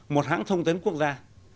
một hãng thông tin quốc gia